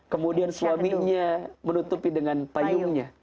kemudian suaminya menutupi dengan payungnya